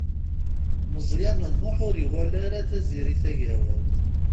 Meẓyan U Muḥ ur iwala ara Tiziri Tagawawt.